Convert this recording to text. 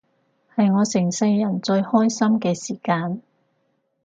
係我成世人最開心嘅時間